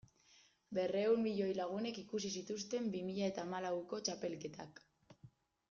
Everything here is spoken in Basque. Berrehun milioi lagunek ikusi zituzten bi mila eta hamalauko txapelketak.